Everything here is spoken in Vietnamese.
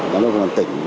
cảm ơn công an tỉnh